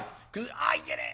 「あっいけねえ。